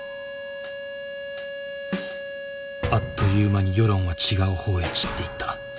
あっという間に世論は違うほうへ散っていった。